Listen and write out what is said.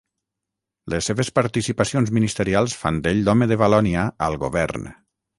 Les seves participacions ministerials fan d'ell l'home de Valònia al govern.